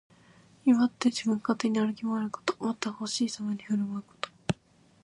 威張って自分勝手に歩き回ること。また、ほしいままに振る舞うこと。